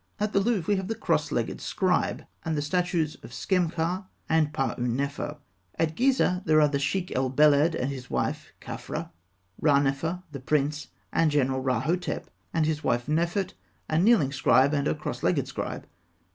At the Louvre we have the "Cross legged Scribe," and the statues of Skemka and Pahûrnefer; at Gizeh there are the "Sheikh el Beled" and his wife, Khafra, Ranefer, the Prince and General Rahotep, and his wife, Nefert, a "Kneeling Scribe," and a "Cross legged Scribe."